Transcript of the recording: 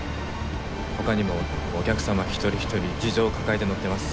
他にもお客様一人一人事情を抱えて乗ってます。